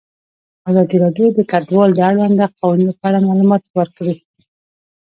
ازادي راډیو د کډوال د اړونده قوانینو په اړه معلومات ورکړي.